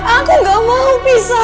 aku gak mau pisah